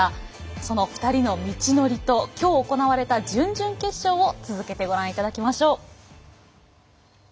その２人の道のりときょう行われた準々決勝を続けてご覧いただきましょう。